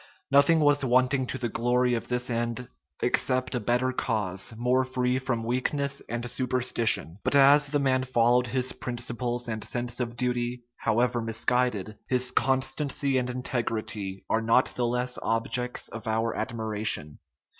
Nothing was wanting to the glory of this end, except a better cause, more free from weakness and superstition. But as the man followed his principles and sense of duty, however misguided, his constancy and integrity are not the less objects of our admiration.